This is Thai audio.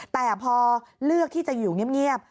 แต่พอเลือกที่จะอยู่เงียบ